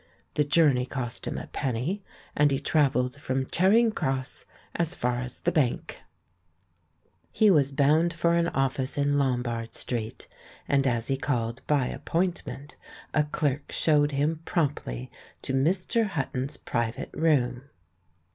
The journey cost him a penny, and he travelled from Charing Cross as far as the Bank. He was bound THE LADY OF LYONS' 315 for an office in Lombard Street, and as he called by appointment, a clerk showed him promptly to Mr. Hutton's private room.